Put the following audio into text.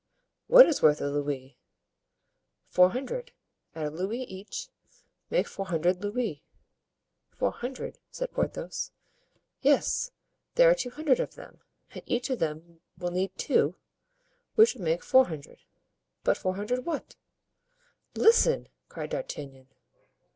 "What is worth a louis?" "Four hundred, at a louis each, make four hundred louis." "Four hundred?" said Porthos. "Yes, there are two hundred of them, and each of them will need two, which will make four hundred." "But four hundred what?" "Listen!" cried D'Artagnan.